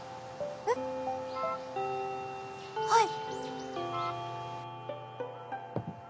えっはい。